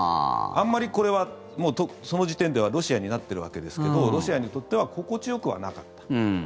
あまりこれはその時点ではロシアになっているわけですけどロシアにとっては心地よくはなかった。